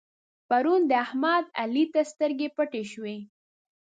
پرون د احمد؛ علي ته سترګې پټې شوې.